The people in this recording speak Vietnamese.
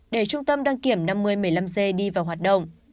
để trung tâm đăng kiểm năm mươi một mươi năm g đi vào hoạt động